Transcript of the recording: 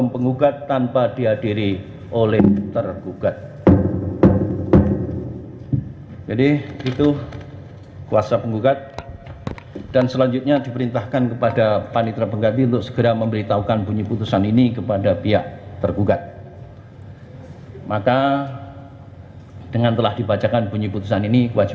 pertama penggugat akan menerjakan waktu yang cukup untuk menerjakan si anak anak tersebut yang telah menjadi ilustrasi